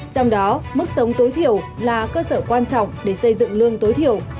trong đó mức sống tối thiểu là cơ sở quan trọng để xây dựng lương tối thiểu